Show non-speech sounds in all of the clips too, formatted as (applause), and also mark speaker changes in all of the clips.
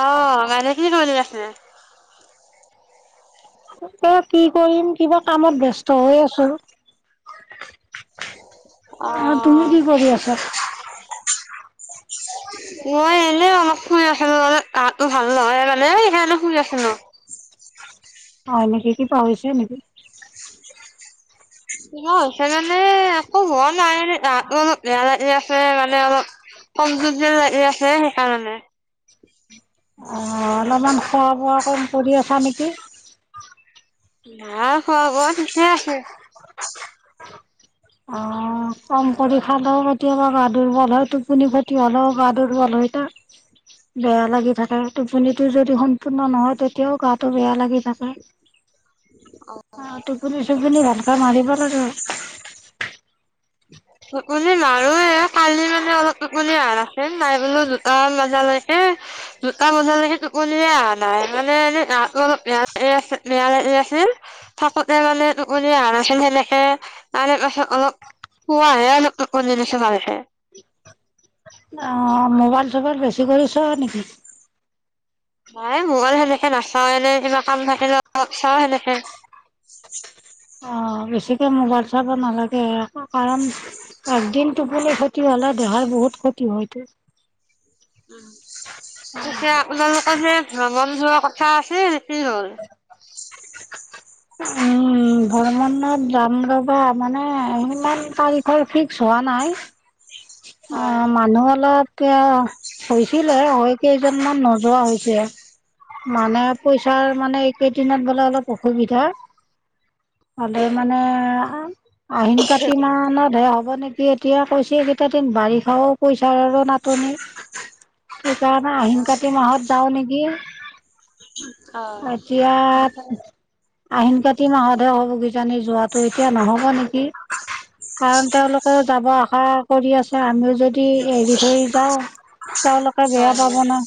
Speaker 1: আহ মানেখিনি কবলিব আছিলে (unintelligible)
Speaker 2: এ কি কৰিম কিবা কামত ব্যস্ত হৈ আছো
Speaker 1: অ
Speaker 2: আৰু তুমি কি কৰি আছা
Speaker 1: মই এনে অলপ শুই আছিলো অলপ গাটো ভাল নহয় মানে সহ শুই আছিলো (unintelligible)
Speaker 2: হয় নেকি কিবা হৈছে নেকি (unintelligible)
Speaker 1: কিবা হৈছে মানে একো হোৱা (unintelligible) ন আনে গাটো অলপ বেয়া লাগি আছে (unintelligible) আ মানে অলপ কমযু যে ল আছে সেইকাৰণে (unintelligible)
Speaker 2: অ অলপমান খোৱা বোৱা কম কৰি আছা নেকি (unintelligible)
Speaker 1: ন খোৱা বোৱা থিকে আছে (unintelligible)
Speaker 2: অ কম কৰি খালেও কেতিয়াবা গা দুৰ্বল হয় টোপনি খট হালেও গা দুৰ্বল হৈত বেয়া লাগি থাকে টোপনিটো যদি (unintelligible) উপূৰ্ণ নহয় তেতিয়াও গাটো বেয়া লাগি থাকে অ টোপনি চুপনি ভানক মাৰিব লাগে (unintelligible)
Speaker 1: টোপনি মাৰো এই কালি মানে অলপ টোপনি অহা নাছিল নাই বোলো জোতা মজালৈকে জোতা মজালৈকে টোপনিয় অহা নাই মানে এনে গ অলপ বেয়া আ বেয়া আছিল থাকোতে মানে টোপনি অহা নাছিল সেনেকে তাৰে পাছত অলপ (unintelligible) আহ আৰুছ ভালে (unintelligible)
Speaker 2: অ মোবাইল চোবাইল বেছি কৰি চোৱা নেকি
Speaker 1: নাই মোবাইল সেনেকে নাচাও এনে কিবা কাম থাকিল চাও সেনেকে (unintelligible)
Speaker 2: অ বেছিকে মোবাইল চাব নালাগে কাৰণ একদিন টোপুলি ক্ষতি হ'লে দেহাৰ বহুত ক্ষতি হয়ত (unintelligible)
Speaker 1: উ এতিয়া আপোনালোকৰ যে ভ্ৰমণ যোৱা কথা আছে কি হ'ল (unintelligible)
Speaker 2: উম ধৰ্ম যাম বাবা মানে ইমান তাৰিখৰ ফিক্স হোৱা নাই (unintelligible) অ
Speaker 1: হয়
Speaker 2: মানুহ অলপ ক (unintelligible) হৈছিল আৰু হৈ কি (unintelligible) জনমান নোযোৱা হৈছে মানে পইচাৰ মানে এইকেইদিনত বোলে অলপ অসুবিধা হা হলে মানে (unintelligible) আহিন কাতি মানত (unintelligible) দে হ'ব নেকি এতিয়া কৈছে এই কেইটা দিন বাৰিষাও পইচাৰ আৰু নাটনি (unintelligible) সেইকাৰণে
Speaker 1: হয়
Speaker 2: আহিন কাতি মাহত যাও নেকি (unintelligible)
Speaker 1: (inaudible)
Speaker 2: এতিয়া আহিন কাতি মাহতহে হ'ব কিজানি যোৱাতো এতিয়া নহব নেকি কাৰণ তেওঁলোকেও যাব আশা কৰি আছে আমিও যদি এৰি থৈ যাওঁ (unintelligible) তেওঁলোকে
Speaker 1: অ
Speaker 2: বেয়া
Speaker 1: হয়
Speaker 2: পাব
Speaker 1: হয়
Speaker 2: ন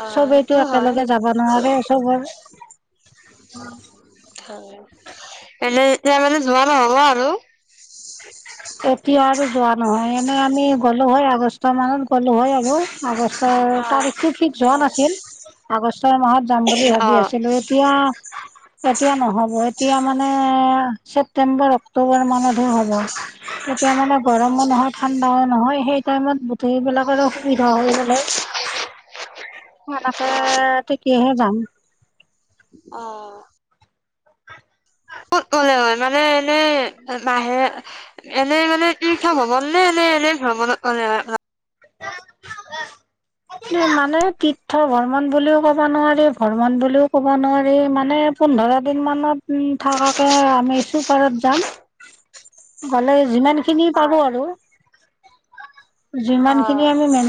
Speaker 1: অ
Speaker 2: চবেইতো
Speaker 1: সেইটো হয়
Speaker 2: একেলগে যাবা‌। নৰে চব হ'ল
Speaker 1: এনে এতিয়া মানে যোৱা নহ'ব আৰু,
Speaker 2: এতিয়া আৰু যোৱা নহয় এনেই আমি গ'লো হয় আগষ্ট মানত গ'লো হয় আৰু, আগষ্টৰ তাৰিখটো ফিক্স হোৱা নাছিল আগষ্টৰ মাহত যাম বুলি ভাবি
Speaker 1: অ'।
Speaker 2: আছিলোঁ এতিয়া- এতিয়া নহব এতিয়া মানে ছেপ্তেম্বৰ অক্টোবৰ মানত সে‌ হ'ব। তেতিয়া মানে গৰমো নহয় ঠাণ্ডাও নহয় সেই টাইমত গোটেইবিলাকৰো সুবিধা হৈ গ'লে। সেনেকে ঠিকেহে, যাম
Speaker 1: অ ক'ত মনে হয় মানে এনেই বাহে (unintelligible) এনেই মানে কি খাম ভবা নে এনেই এনেই, (unintelligible) আান অ (unintelligible)
Speaker 2: মানে তীৰ্থ ভ্ৰমণ বুলিও ক'ব নোৱাৰি ভ্ৰমণ বুলিও ক'ব নোৱাৰি মানে মানে পোন্ধৰ দিন মানত উ থাকাকে আমি চুপাৰত যাম গ'লে যিমান, খিনি পাৰো আৰু যিমান খিনি আমি মে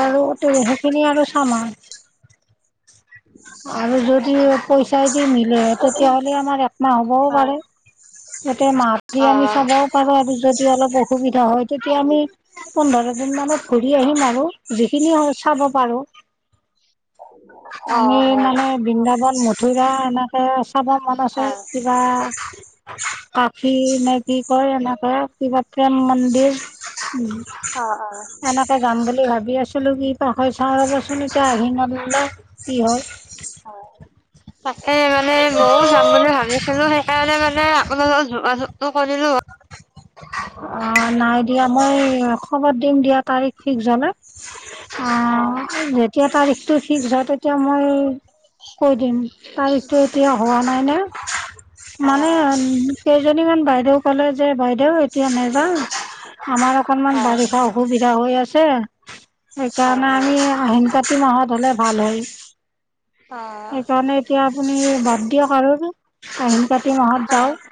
Speaker 2: আৰু সেইখিনি আৰু চামান আৰু যদি পইচাইদি মিলে তেতিয়াহলে আমাৰ একমাহ হ'বও পাৰে, গোটেই মাহ দি আমি চাবও পাৰো আৰু যদি অলপ অসুবিধা হয়, তেতিয়া আমি পোন্ধৰ দিন মানত ঘূৰি আহিম আৰু যিখিনি চাব পাৰো
Speaker 1: অ
Speaker 2: আমি মানে বৃন্দাবন মথুৰা এনেকৈ চাব মন আছে কিবা কাখি নে কি কয় এনেকৈ- কিবা প্ৰেম মন্দিৰ এনেকে যাম বুলি ভাবি আছিলো কি ত চাউ দিবাচোন এতিয়া আহি (unintelligible) মতল (unintelligible)
Speaker 1: তাকে মানে ময়ও যাম বুলি ভাবিছিলো সেইকাৰণে মানে আপোনালগত যোগাযোগ, (unintelligible) ত কৰিলো, (unintelligible)
Speaker 2: অ নাই দিয়া মই খবৰ দিম দিয়া তাৰিখ ফিক্স হলে। অ যেতিয়া তাৰিখ টো ফিক্স হোৱা তেতিয়া মই কৈ দিম তাৰিখ টো এতিয়া হোৱা নাই ন
Speaker 1: অ',
Speaker 2: মানে
Speaker 1: অ',
Speaker 2: কেইজনীমান বাইদেউক, ক'লে যে বাইদেউ এতিয়া নাযাওঁ আমাৰ অকনমান
Speaker 1: হয়,
Speaker 2: বাৰিষা অসুবিধা হৈ আছে সেইকাৰণে
Speaker 1: হয়,
Speaker 2: আমি আহিন কাতি মাহত হ'লে ভাল হয়
Speaker 1: হয়,
Speaker 2: সেইকাৰণে এতিয়া আপুনি বাদ দিয়ক আৰু আহিন কাতি মাহত
Speaker 1: অ',
Speaker 2: যাওঁক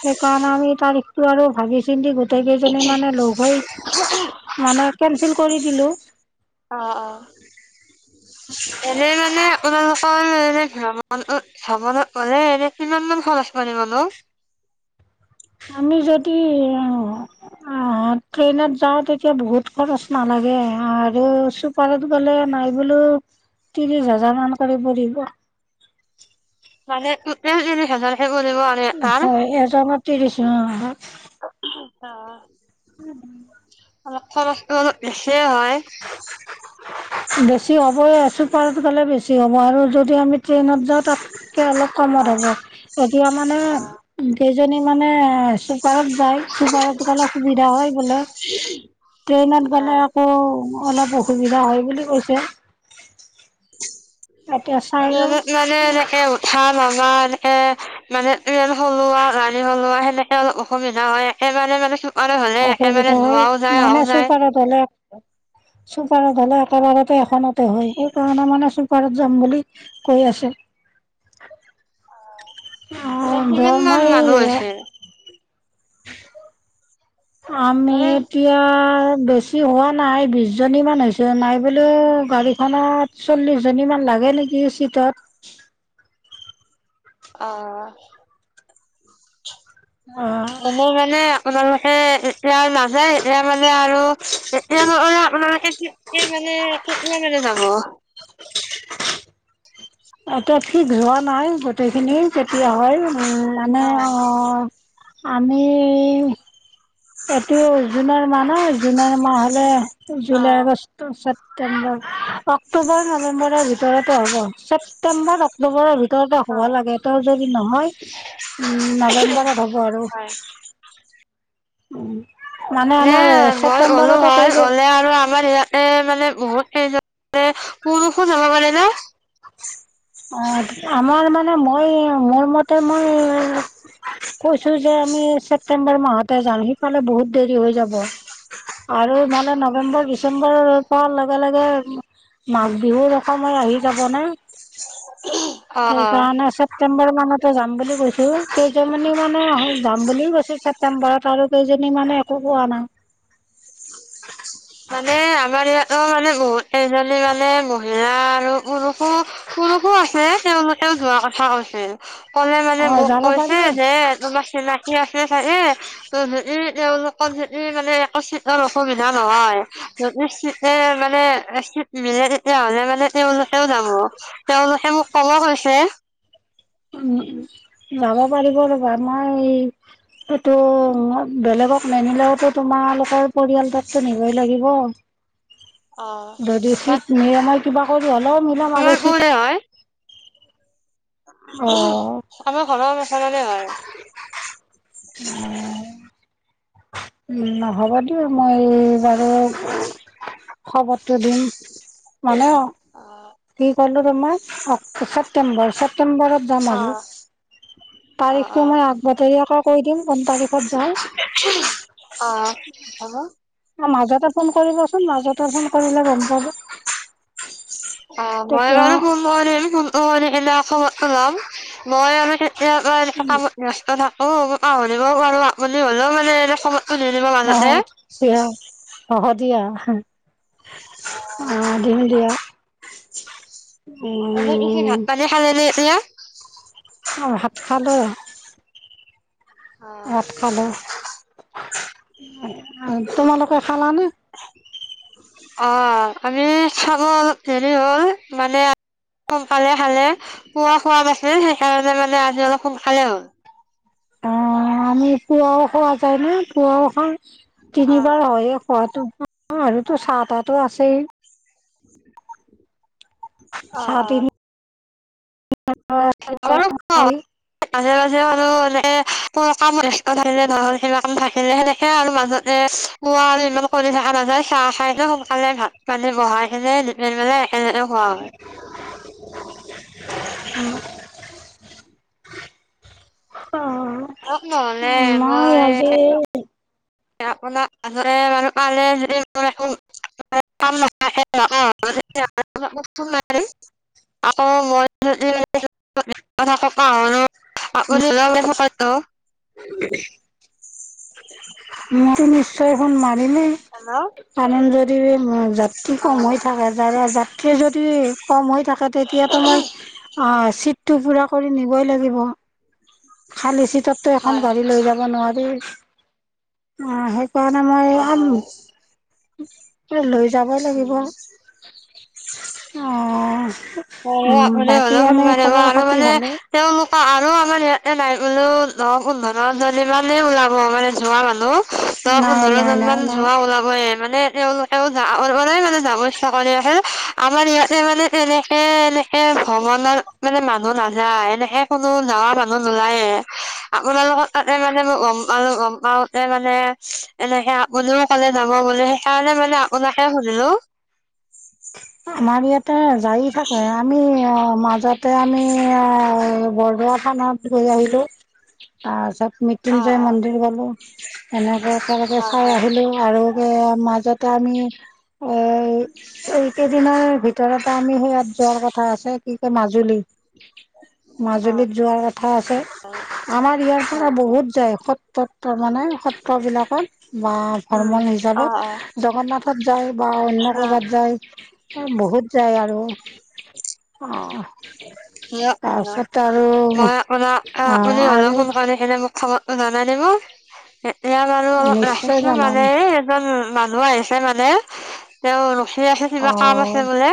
Speaker 2: সেইকাৰণে আমি তাৰিখতটো আৰু ভাবি চিন্তি গোটেইকেইজনী মানে ল'গ হৈ মানে কে নবেল কৰি দিলোঁ
Speaker 1: অ অ এনে মানে আপোনালোকৰ এনে ভ্ৰমণত ভ্ৰমণত গলে এনে কিমান মান খৰচ পৰিব নো?
Speaker 2: আমি যদি ট্ৰেইনত যাওঁ তেতিয়া বহুত খৰচ নালাগে আৰু চুপাৰত গ'লে নাই বোলো ত্ৰিশ হাজাৰ মান কৰি পৰিব
Speaker 1: মানে তোতেল ত্ৰিশ হাজাৰ
Speaker 2: হয় এজনত ত্ৰিশ অ
Speaker 1: অ অলপ খৰচটো অলপ বেছিয়ে হয়
Speaker 2: বেছি হ'বই চুপাৰত গ'লে বেছি হ'ব আৰু যদ দি আমি ট্ৰেইনত যাওঁ তাত কে অলপ কমত হ'ব এতিয়া মানে কেইজনী মানে চুপাৰত যায় চুপাৰত গলে সুবিধা হয় বোলে ট্ৰেইনত গ'লে আকৌ অলপ অসুবিধা হয় বুলি কৈছে
Speaker 1: (inaudible) ট্ৰেনত মানে এনেকে উঠা নমা এনেকে মানে ট্ৰেনসলো আৱ গাড়সহলো আৱ সেনেকে অলপ অসুবিধা হয় একেবাৰে মানে (unintelligible) একেবাৰে
Speaker 2: অসুবিধা হয়
Speaker 1: যোৱাও যায়
Speaker 2: মানে
Speaker 1: আহাও যায়।
Speaker 2: চুপাৰত হ'লে চুপাৰত গলে একেবাৰতে এখনতে হয় সেইকাৰণে মানে চুপাৰত যাম বুলি কৈ আছে
Speaker 1: মানে
Speaker 2: য
Speaker 1: কিমান মান
Speaker 2: মই
Speaker 1: মানুহ হৈছে?
Speaker 2: আমি
Speaker 1: মানে
Speaker 2: এতিয়া বেছি হোৱা নাই বিশ জনীমান হৈছো নাই বোলিও গাড়ীখনত চল্লিশ জনী মান লাগে নেকি চিটত
Speaker 1: অ
Speaker 2: অ
Speaker 1: এনেই মানে আপোনালোকে এতিয়া আৰু নাযায় এতিয়া মানে আৰু এতিয়া মানে আপোনাকে মানে কিমান মানুহ যাব
Speaker 2: এতিয়া ঠিক হোৱা নাই গো (unintelligible) তেইখিনি কেতিয়া হয় উম মানে অ আমি এইটো জোনৰ মান নহয় জুলাই মাহ হলে।
Speaker 1: অ',
Speaker 2: জুলাই
Speaker 1: অ',
Speaker 2: আগষ্ট ছেপ্তেম্বৰ অক্টোবৰ নৱেম্বৰৰ ভিতৰতে হ'ব ছেপ্তেম্বৰ অক্টোবৰৰ ভিতৰতে হ'ব লাগে ত যদি নহয় উ নৱেম্বৰত হব আৰু। মানে
Speaker 1: এনে
Speaker 2: আমাৰ
Speaker 1: মই গ'লো
Speaker 2: ছেপ্তেম্বৰতে
Speaker 1: হয়
Speaker 2: কৰিছো
Speaker 1: গলে আৰু আমাৰ ইয়াতে মানে সেই যাওঁতে। পুৰুষো যাব পাৰে ন।
Speaker 2: অ আমাৰ মানে মই মোৰ মতে মই কৈছো যে আমি ছেপ্তেম্বৰ মাহতে যাম সিফালে বহুত। দেৰি হৈ যাব আৰু ইমানে নৱেম্বৰ ডিচেম্বৰ প লগে লগে। মাঘ বিহু সময় আহি যাব নে
Speaker 1: (inaudible) অ', অ'।
Speaker 2: সেইকাৰণে চেপ্তেম্বৰ মানতে যাম বুলি কৈছে। কেইজনমানী মানে যাম বুলি কৈছো ছেপ্তেম্বৰত আৰু কেইজন মানে একো কোৱা নাই।
Speaker 1: মানে আমাৰ ইয়াতো মানে বহুত। সেইজনী মানে মহিলা আৰু (unintelligible) পুৰুষো পুৰুষো আছে তেওঁলোকে। তেওঁ যোৱা কথা কৈছিল। কলে
Speaker 2: অ
Speaker 1: মানে মোক
Speaker 2: যাব
Speaker 1: কৈছে
Speaker 2: পাৰিব উ
Speaker 1: যে তোমাৰ চিনাকি আছে চাগে। (unintelligible) ত হে তেলোকত হে মানে এক (unintelligible) অসুবিধা নহয় যদি চিট মানে চিট মিলে তেতিয়াহলে মানে তেওঁলোকেও যাব তেওঁলোকে মোক কব কৈছে। (unintelligible)
Speaker 2: উ যাব পাৰিব ৰ'বা মই এইটো বেলেগক নিনিলেওতো তোমালোকৰ পৰিয়াল তোক টো নিবই লাগিব। (unintelligible)
Speaker 1: অ
Speaker 2: যদি
Speaker 1: মানে
Speaker 2: শীত মে হয়। কিবা ক হল মিল
Speaker 1: আমাৰ
Speaker 2: মাৰচ
Speaker 1: কোনে হয় আমাৰ ঘৰৰ সেইফালৰে হয়। (inaudible)
Speaker 2: উম নহ'ব দিয়া মই আৰু খবৰটো দিম মানে অ। কি ক'লো ৰম অ ছেপ্তেম্বৰ ছেপ্টেম্বৰ ছেপটেম্বৰত যাম
Speaker 1: অ
Speaker 2: আৰু
Speaker 1: অ
Speaker 2: তাৰিখটো মই আগতীয়াকৈ আক কৈ দিম। কোন তাৰিখত যাওঁ
Speaker 1: অ হ'ব।
Speaker 2: মাজত- কৰিলে গম পাবা
Speaker 1: (unintelligible) (unintelligible) খবৰ জনাম মই আমি এ' এনেকে কামত ব্যস্ত থাক। (unintelligible) সময়টো নিদিব মাজতে-
Speaker 2: হব দিয়া। অঁহ দিম দিয়া
Speaker 1: আপুনি ভাত
Speaker 2: উম
Speaker 1: পানী খালে নে এতিয়া?
Speaker 2: অঁ ভাত খালোঁ ভাত খালো। তোমালোকে খালা নে?
Speaker 1: অঁ আমি খালো। হেৰি হ'ল মানে সোনকালে খালো পোৱা খোৱা নাছিলো। সেইকাৰণে মানে আজি অলপ সোনকালে হ'ল।
Speaker 2: অঁ আমি পুৱাওঁ খোৱা যায় ন। পুৱাওঁ খাওঁ।
Speaker 1: অ
Speaker 2: তিনিবাৰ হয়ে খোৱাতো। অঁ আৰু তো চাহ- তাহটো আছেই।
Speaker 1: (unintelligible)
Speaker 2: চাহ
Speaker 1: অঁ অঁ
Speaker 2: তিনিবাৰ
Speaker 1: আমাৰো খোৱা
Speaker 2: খাওঁৱেই
Speaker 1: হয়। আৰু এনেকে কাম থাকিলে ন কিবা কাম থাকিলে সেনেকে আৰু মাজতে পোৱা আৰু ইমান কৰি থকা নাযায়। খোৱাই খাই সোনকালে ভাত- পানী বনাই কিনে মানে- সেনেকে খোৱা হয়।
Speaker 2: (unintelligible) (unintelligible)
Speaker 1: আহক নহলে মই- (unintelligible) (unintelligible)
Speaker 2: মইটো নিশ্চয় ফোন মা যিয়ে
Speaker 1: হেল্ল'
Speaker 2: কাৰণ য'ত দিবি। যাত্ৰী
Speaker 1: অ
Speaker 2: কম হৈ থাকে। যাত্ৰী যদি কম হৈ থাকে তেতিয়াতো মই- চিটটো পুৰা কৰি নিবই লাগিব খালি চি তততো
Speaker 1: হয়
Speaker 2: এখন
Speaker 1: হয়
Speaker 2: গাড়ী লৈ যাব নোৱাৰি অ সেই পান মম
Speaker 1: হয়
Speaker 2: উ লৈ যাবই লাগিব
Speaker 1: অ
Speaker 2: উম,
Speaker 1: মানে
Speaker 2: বাকী
Speaker 1: অলপ
Speaker 2: এনেই
Speaker 1: মানে
Speaker 2: খবৰ
Speaker 1: আৰু
Speaker 2: খাতি
Speaker 1: মানে
Speaker 2: ভালে?
Speaker 1: তেওঁলোক অ আৰু আমাৰ ইয়াতে নাই বোলো দহ পোন্ধৰজনী মমানেই ওলাব মানে যোৱা মানুহ ত
Speaker 2: নাই,
Speaker 1: পোন্ধৰ
Speaker 2: নাই,
Speaker 1: জন
Speaker 2: নাই,
Speaker 1: মান
Speaker 2: নাই।
Speaker 1: যোৱা ওলাবহে মানে তেওঁলোকেও যৰে মানে যাব ইচ্ছা কৰি আহে আমাৰ ইয়াতে মানে এনেকে এনেকে ভ্ৰমণত মানে মানুহ নাযায় এনেকে কোনো নাৱা মানুহ নোলায়ে আপোনাৰালোকত ত মানে গম গম পা মানে এনেকে আপুনিও ক'লে যাব বুলি সেইকাৰণে মানে আপোনাকে শুনিলো
Speaker 2: আমাৰ ইয়াতে যায় থাকে আমি মাজতে আমি বৰদোৱা থানত গৈ আহিলোঁ তাৰপিছত
Speaker 1: অ অ
Speaker 2: মৃত্যুঞ্জয় মন্দিৰ গলো এনেকে একেলগে
Speaker 1: হয়
Speaker 2: চাই
Speaker 1: হয়
Speaker 2: আহিলো আৰু মাজত ত আমি অ আমি সে ইয়াত জৰ কথা আছে কি ক মাজুলী মাজুলীত যোৱাৰ কথা আছে আমাৰ ইয়াৰ
Speaker 1: অ হয়
Speaker 2: পৰা
Speaker 1: হয়
Speaker 2: বহুত যায় সত্ৰত তাৰ মানে সত্ৰবিলাকত বা ভ্ৰৰ্ম
Speaker 1: উম অ
Speaker 2: হিচাপত
Speaker 1: অ
Speaker 2: জগন্নাথ যায় বা অন্য ক'ৰবাত যায় অ বহুত য আৰু অ
Speaker 1: অ অ
Speaker 2: তাৰপিছত আৰু
Speaker 1: মই
Speaker 2: অ আৰু
Speaker 1: অওলপপ অলপ সমোনখে মোক খাব জ দে ম এয়া বাৰু অলপ
Speaker 2: নিশ্চয়
Speaker 1: ৰাখিছো
Speaker 2: জনাম
Speaker 1: মানে এজন মানুহ আহিছে মানে তেওঁ স আছে
Speaker 2: অ অ
Speaker 1: কিবা কাম আছে বোলে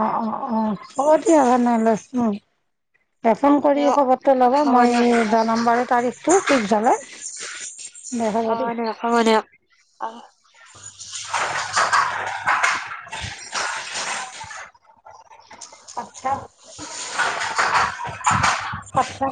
Speaker 2: অ অ অ হ'ব দিয়া নহ লৈছো ফোন কৰি
Speaker 1: অ
Speaker 2: খবৰটো ল'ব
Speaker 1: হ'ব
Speaker 2: মই
Speaker 1: দিয়ক
Speaker 2: জনাম বাৰু তাৰিখটো ফিক্স হলে দে হ'ব
Speaker 1: অ
Speaker 2: দিয়া
Speaker 1: দিয়ক হব দিয়ক অ। (inaudible)
Speaker 2: আত্চ্ছা আত্চ্ছা।